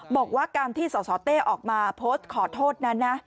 บอกว่าการที่สสเต้ออกมาโพสต์ขอโทษนั้นนะ